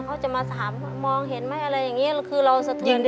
เขาจะมาถามมองเห็นไหมอะไรอย่างนี้คือเราสะเทือน